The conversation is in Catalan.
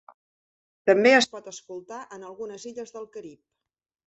També es pot escoltar en algunes illes del Carib.